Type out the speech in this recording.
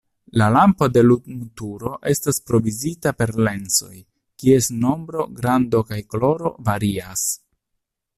La lampo de lumturo estas provizita per lensoj, kies nombro, grando kaj koloro varias.